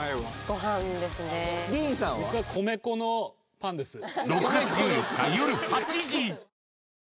僕は米粉のパンです。